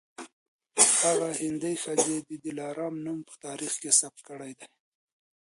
هغې هندۍ ښځې د دلارام نوم په تاریخ کي ثبت کړی دی